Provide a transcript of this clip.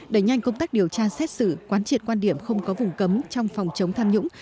đẩy nhanh công tác điều tra xét xử quán triệt quan điểm không có vùng cấm trong phòng chống tham nhũng